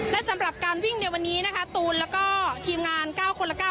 และสำหรับการวิ่งในวันนี้นะคะตูนแล้วก็ทีมงาน๙คนละ๙